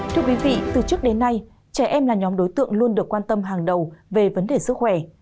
thưa quý vị từ trước đến nay trẻ em là nhóm đối tượng luôn được quan tâm hàng đầu về vấn đề sức khỏe